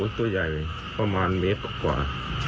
ตัวใหญ่ประมาณเมตรกว่า